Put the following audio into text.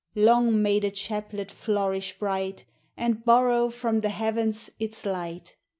Long may the chaplet flourish bright. And borrow from the Heavens its light.